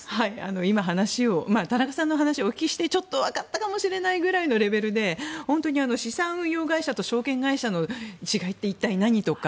今、田中さんの話を聞いてちょっとわかったかもくらいの感じで本当に資産運用会社と証券会社の違いって一体何？とか